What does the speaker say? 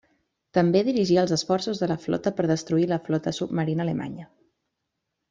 També dirigí els esforços de la Flota per destruir la flota submarina alemanya.